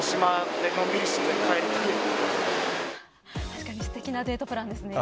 確かにすてきなデートプランですね。